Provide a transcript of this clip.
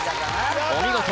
お見事